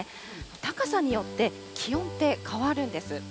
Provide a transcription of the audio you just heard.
高さによって、気温って変わるんです。